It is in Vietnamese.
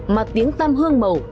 mà tiếng tam hương mẩu